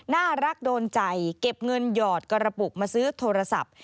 น่ารักโดนใจเก็บเงินหยอดกระปุกมาซื้อโทรศัพท์